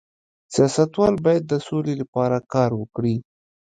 سیاستوال باید د سولې لپاره کار وکړي